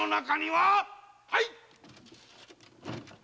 はい！